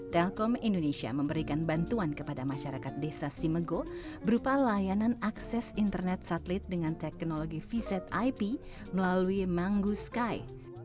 telkom indonesia memberikan bantuan kepada masyarakat desa simego berupa layanan akses internet satelit dengan teknologi vz ip melalui manggu sky